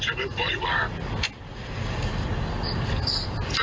เค้าเป็นผู้ชายเค้าเรียก